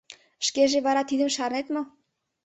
— Шкеже вара тидым шарнет мо?